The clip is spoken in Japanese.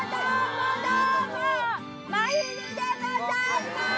まひるでございます！